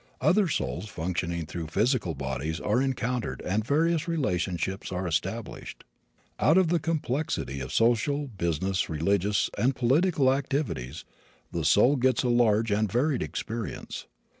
Other souls functioning through physical bodies are encountered and various relationships are established. Out of the complexity of social, business, religious and political activities the soul gets a large and varied experience.